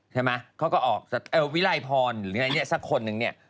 ใช่ไหมเขาก็ออกสตางค์เออวิลัยพรหรือไงเนี่ยสักคนนึงเนี่ย